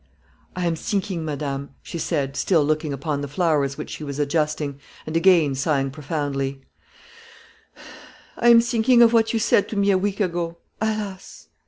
"I am thinking, madame," she said, still looking upon the flowers which she was adjusting, and again sighing profoundly, "I am thinking of what you said to me a week ago; alas!"